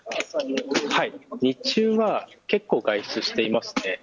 日中は結構外出していますね。